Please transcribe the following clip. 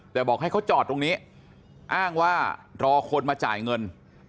แต่บอกให้เขาจอดตรงนี้อ้างว่ารอคนมาจ่ายเงิน